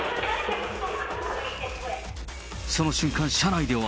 その瞬間、車内では。